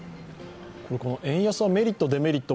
円安はメリット・デメリット